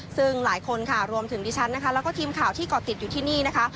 ซึ่งหลายคนค่ะรวมถึงดิฉันนะคะแล้วก็ทีมข่าวที่ก่อติดอยู่ที่นี่นะคะ